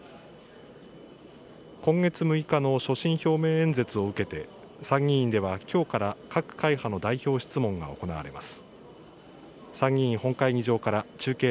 今月６日の所信表明演説を受けて、参議院ではきょうから、各会派の代表質問が行われます。